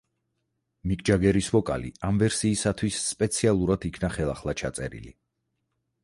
მიკ ჯეგერის ვოკალი ამ ვერსიისათვის სპეციალურად იქნა ხელახლა ჩაწერილი.